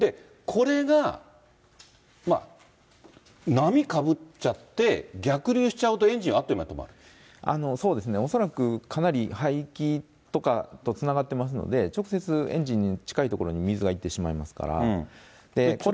これが波かぶっちゃって、逆流しちゃうと、エンジンはあっとそうですね、恐らくかなり排気とかとつながってますので、直接エンジンに近い所に水が行ってしまいますから。